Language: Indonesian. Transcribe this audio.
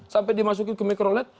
sampai dimasukin ke microled